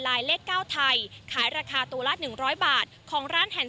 ลายเลขเก้าไทยขายราคาตัวละหนึ่งร้อยบาทของร้านแห่ง